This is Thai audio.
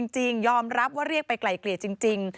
จริงยอมรับว่าเรียกไปไกลเกลี่ยจริง